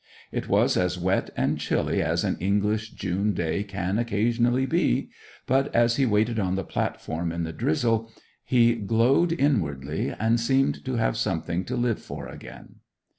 It was as wet and chilly as an English June day can occasionally be, but as he waited on the platform in the drizzle he glowed inwardly, and seemed to have something to live for again.